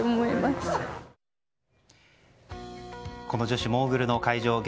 この女子モーグルの会場